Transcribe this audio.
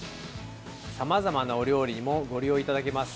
さまざまなお料理にもご利用いただけます。